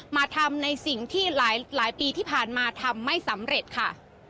มาทำในสิ่งที่หลายปีที่ผ่านมาทำไม่สำเร็จค่ะ